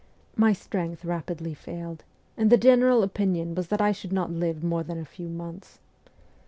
My strength rapidly failed, and the general opinion was that I should not live more than a few months.